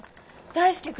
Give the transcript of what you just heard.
大介君